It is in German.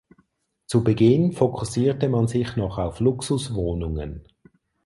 Zu Beginn fokussierte man sich noch auf Luxuswohnungen.